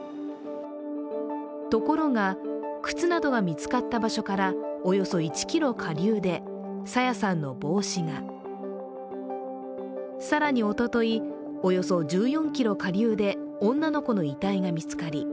ところが、靴などが見つかった場所からおよそ１ｋｍ下流で朝芽さんの帽子が、更におととい、およそ１４ｋｍ下流で女の子の遺体が見つかり